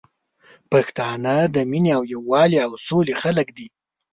پښتانه د مينې او یوالي او سولي خلګ دي